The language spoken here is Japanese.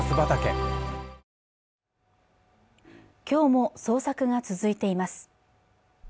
今日も捜索が続いています